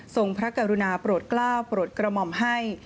พระกรุณาโปรดกล้าวโปรดกระหม่อมให้